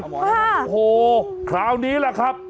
โอ้โหคราวนี้แหละครับ